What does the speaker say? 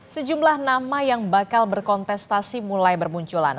sejumlah nama yang bakal berkontestasi mulai bermunculan